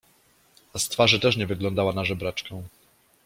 — A z twarzy też nie wyglądała na żebraczkę!